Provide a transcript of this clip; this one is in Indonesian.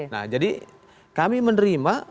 nah jadi kami menerima